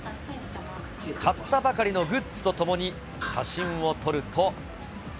買ったばかりのグッズとともに、写真を撮ると。